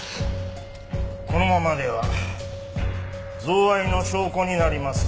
このままでは贈賄の証拠になりますよ。